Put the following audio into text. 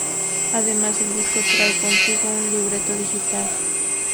Además el disco trae consigo un "libreto digital".